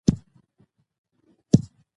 انار د افغانستان د هیوادوالو لپاره ویاړ دی.